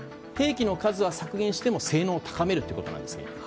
兵器の数は削減しても性能を高めるということです。